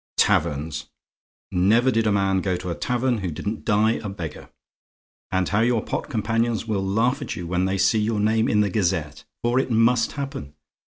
"Taverns! Never did a man go to a tavern who didn't die a beggar. And how your pot companions will laugh at you when they see your name in the Gazette! For it MUST happen.